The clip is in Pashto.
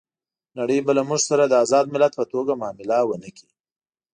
نړۍ به له موږ سره د آزاد ملت په توګه معامله ونه کړي.